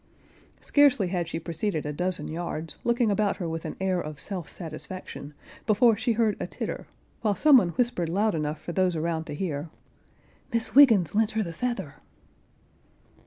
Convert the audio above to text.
Scarcely had she proceeded a dozen yards, looking about her with an air of self satisfaction, be[Pg 49]fore she heard a titter, while some one whispered loud enough for those around to hear, "Miss Wiggens lent her the feather."